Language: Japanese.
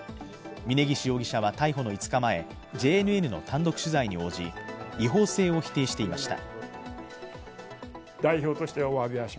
峯岸容疑者は逮捕の２日前、ＪＮＮの単独取材に応じ違法性を否定していました。